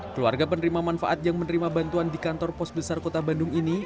keluarga penerima manfaat yang menerima bantuan di kantor pos besar kota bandung ini